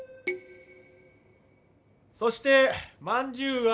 そしてまんじゅうが。